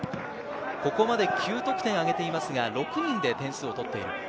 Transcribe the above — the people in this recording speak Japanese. ここまで９得点をあげていますが、６人で点数を取っている。